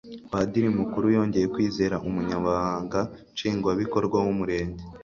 padiri mukuru yongeye kwizeza umunyamabanga nshingwabikorwa w'umurenge